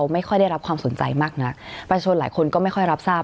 ไม่ค่อยได้รับความสนใจมากนักประชาชนหลายคนก็ไม่ค่อยรับทราบ